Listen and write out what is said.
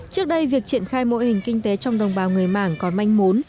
trước đây việc triển khai mô hình kinh tế trong đồng bào người mảng còn manh muốn